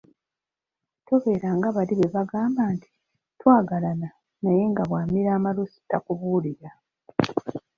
Tobeera nga bali be bagamba nti, “Twagalana naye nga bw'amira amalusu takubuulira”